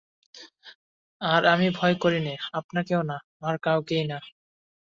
আর আমি ভয় করি নে, আপনাকেও না, আর-কাউকেও না।